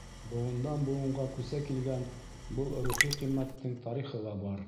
Быуындан быуынға күсә килгән был рухи ҡиммәттең тарихы ла бар.